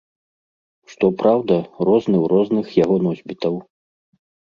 Што праўда, розны ў розных яго носьбітаў.